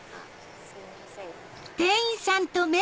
すいません。